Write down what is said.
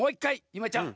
ゆめちゃん